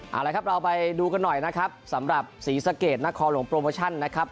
เอาละครับเราไปดูกันหน่อยนะครับสำหรับศรีสะเกดนครหลวงโปรโมชั่นนะครับ